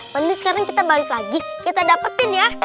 nanti sekarang kita balik lagi kita dapetin ya